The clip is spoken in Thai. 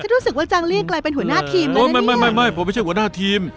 จะรู้สึกว่าจางเลี่ยงกลายเป็นหัวหน้าทีมแล้วนะเนี้ยไม่ไม่ไม่ผมไม่ใช่หัวหน้าทีม